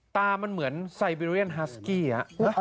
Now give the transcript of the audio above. ตามันเหมือนไซเบรีเรียนฮาสกี้